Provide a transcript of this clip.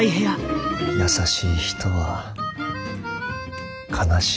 優しい人は悲しい人です。